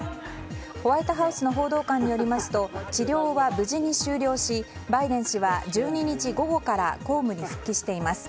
ホワイトハウスの報道官によりますと治療は無事に終了しバイデン氏は１２日午後から公務に復帰しています。